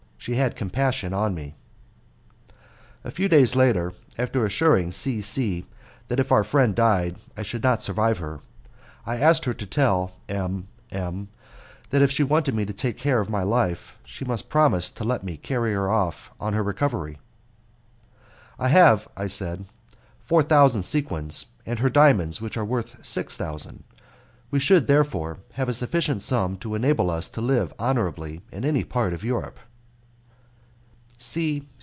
She had compassion on me. A few days later, after assuring C C that if our friend died I should not survive her, I asked her to tell M M that if she wanted me to take care of my life she must promise to let me carry her off on her recovery. "I have," I said, "four thousand sequins and her diamonds, which are worth six thousand; we should, therefore, have a sufficient sum to enable us to live honourably in any part of Europe."